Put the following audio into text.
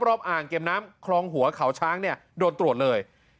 อ่างเก็บน้ำคลองหัวเขาช้างเนี่ยโดนตรวจเลย